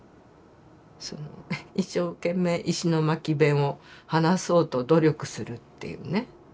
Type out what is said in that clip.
その一生懸命石巻弁を話そうと努力するっていうね。